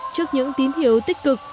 trước những tín hiếu tích cực